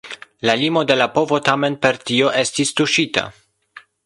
La limo de la povo tamen per tio estis tuŝita.